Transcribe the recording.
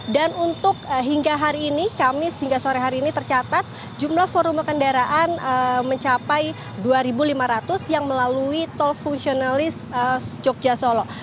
dan untuk hingga hari ini kami sehingga sore hari ini tercatat jumlah volume kendaraan mencapai dua lima ratus yang melalui tol fungsionalis jogja solo